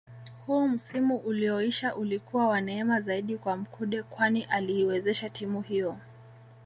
Huu msimu ulioisha ulikuwa wa neema zaidi kwa Mkude kwani aliiwezesha timu hiyo